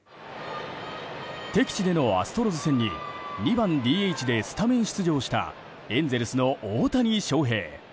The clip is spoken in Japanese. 敵地でのアストロズ戦に２番ＤＨでスタメン出場したエンゼルスの大谷翔平。